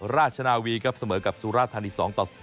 ราชนาวีครับเสมอกับสุราธานี๒ต่อ๒